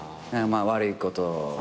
まあ悪いことを。